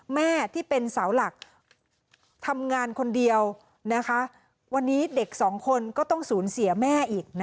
แม่ที่เป็นเสาหลักทำงานคนเดียววันนี้เด็กสองคนก็ต้องสูญเสียแม่อีก